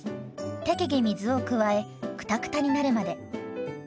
適宜水を加えクタクタになるまで。